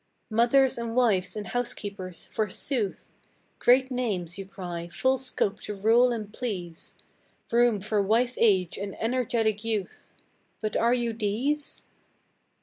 Mothers and Wives and Housekeepers, forsooth! Great names, you cry, full scope to rule and please, Room for wise age and energetic youth! But are you these?